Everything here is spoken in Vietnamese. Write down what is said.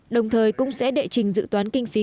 đồng thời cũng sẽ đệ trình dự toán kinh phí